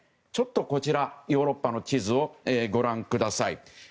こちらヨーロッパの地図をご覧ください。